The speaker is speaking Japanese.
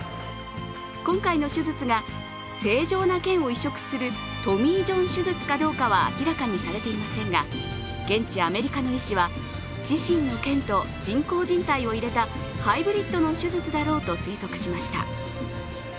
今回の手術が正常なけんを移植するトミー・ジョン手術かどうかは明らかにされていませんが、現地アメリカの医師は自身のけんと人工じん帯を入れたハイブリットの手術だろうと推測しました。